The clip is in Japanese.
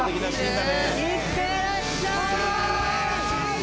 いってらっしゃい！